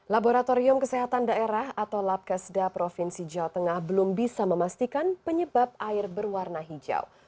laboratorium kesehatan daerah atau labkesda provinsi jawa tengah belum bisa memastikan penyebab air berwarna hijau